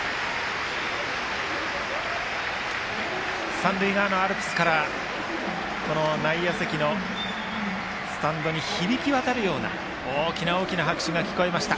三塁側のアルプスから内野席のスタンドに響き渡るような大きな大きな拍手が聞こえました。